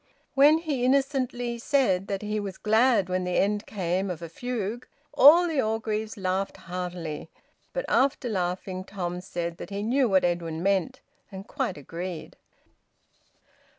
When he innocently said that he was `glad when the end came of a fugue,' all the Orgreaves laughed heartily, but after laughing, Tom said that he knew what Edwin meant and quite agreed.